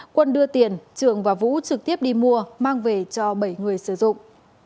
quân đưa tiền trường và vũ trực tiếp đi mua mang về cho bảy người sử dụng